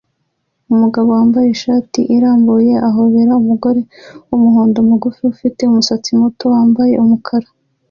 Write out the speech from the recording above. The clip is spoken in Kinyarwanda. Umugabo wambaye ishati irambuye ahobera umugore wumuhondo mugufi ufite umusatsi muto wambaye umukara